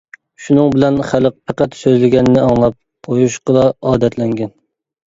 شۇنىڭ بىلەن خەلق پەقەت سۆزلىگەننى ئاڭلاپ قويۇشقىلا ئادەتلەنگەن.